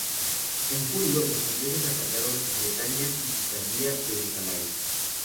En julio, los ingleses atacaron Bretaña y Picardía desde Calais.